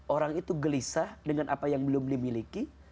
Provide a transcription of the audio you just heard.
orang itu gelisah dengan apa yang belum dimiliki